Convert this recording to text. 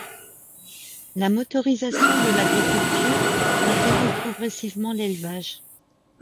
La motorisation de l'agriculture interrompt progressivement l'élevage.